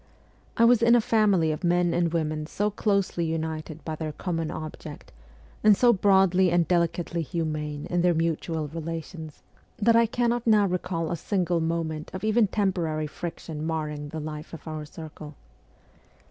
I was in a family of men and women so closely united by their common object, and so broadly and delicately humane in their mutual 108 MEMOIRS OF A REVOLUTIONIST relations, that I cannot now recall a single moment of even temporary friction marring the life of our circle.